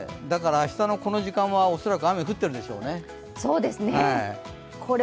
明日のこの時間は恐らく雨が降ってるでしょうね。